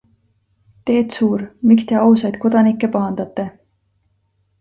Teet Suur, miks te ausaid kodanikke pahandate?